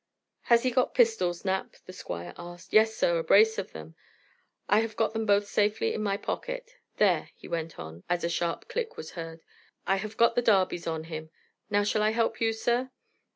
"Has he got pistols, Knapp?" the Squire asked. "Yes, sir, a brace of them; I have got them both safely in my pocket. There," he went on, as a sharp click was heard, "I have got the darbys on him. Now shall I help you, sir?"